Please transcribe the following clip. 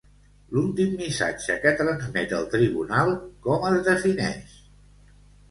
L'últim missatge que transmet el tribunal com es defineix?